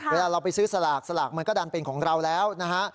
เวลาเราไปซื้อสลากสลากมันก็ดันเป็นของเราแล้วนะฮะ